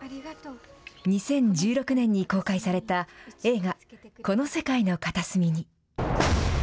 ２０１６年に公開された映画、この世界の片隅に。